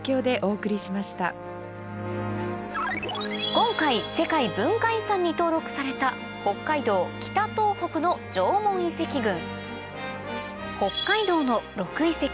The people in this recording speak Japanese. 今回世界文化遺産に登録された北海道の６遺跡